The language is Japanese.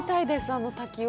あの滝を。